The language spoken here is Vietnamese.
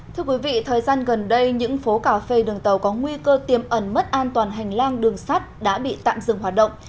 thưa quý vị thời gian gần đây những phố cà phê đường tàu có nguy cơ tiềm ẩn mất an toàn hành lang đường sắt đã bị tạm dừng hoạt động